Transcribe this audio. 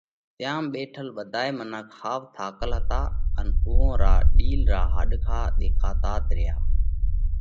تيام ٻيٺل ٻڌائي منک ۿاوَ ٿاڪل هتا ان اُوئون را ڏِيل را هاڏکا ۮيکاتات ريا۔